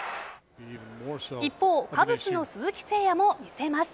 一方カブスの鈴木誠也も見せます。